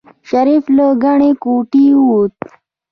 شريف له ګڼې ګوڼې ووت.